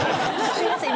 すみません。